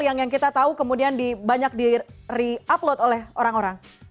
yang kita tahu kemudian banyak di reupload oleh orang orang